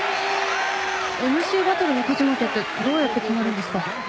ＭＣバトルの勝ち負けってどうやって決まるんですか？